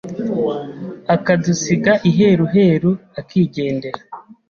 akadusiga iheruheru akigendera.